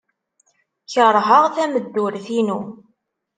Keṛheɣ tameddurt-inu.